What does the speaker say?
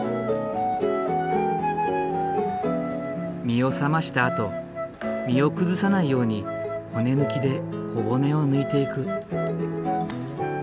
身を冷ましたあと身を崩さないように骨抜きで小骨を抜いていく。